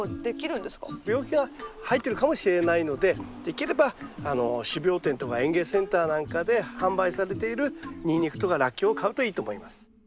病気が入ってるかもしれないのでできれば種苗店とか園芸センターなんかで販売されているニンニクとかラッキョウを買うといいと思います。